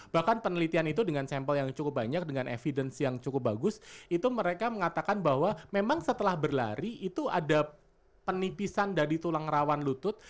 bahkan penelitian itu dengan sampel yang cukup banyak dengan evidence yang cukup bagus itu mereka mengatakan bahwa memang setelah berlari itu ada penipisan dari tulang rawan lutut